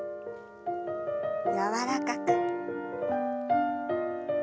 柔らかく。